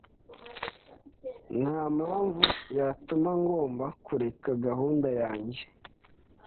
Ntampamvu yatuma ngomba kureka gahunda yanjye.